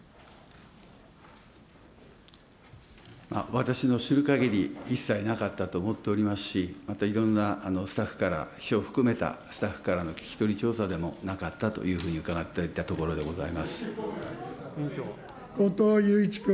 私の知るかぎり、一切なかったと思っておりますし、またいろんなスタッフから、秘書を含めたスタッフからの聞き取り調査でもなかったというふう後藤祐一君。